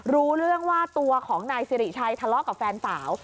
รู้เรื่องว่าตัวของนายสิริชัยทะเลาะกับแฟนสาว